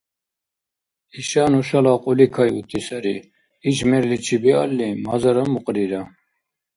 – Иша нушала кьули кайути сари, иш мерличи биалли – мазара мукьрира.